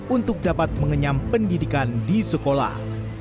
untuk dapat mengenyam pendidikan di sekolah